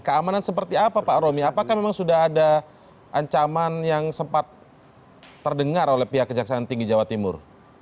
keamanan seperti apa pak romi apakah memang sudah ada ancaman yang sempat terdengar oleh pihak kejaksaan tinggi jawa timur